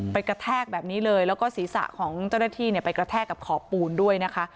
กระแทกแบบนี้เลยแล้วก็ศีรษะของเจ้าหน้าที่เนี่ยไปกระแทกกับขอบปูนด้วยนะคะ